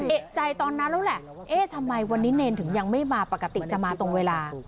เอกใจตอนนั้นแล้วแหละเอ๊ะทำไมวันนี้เนรถึงยังไม่มาปกติจะมาตรงเวลา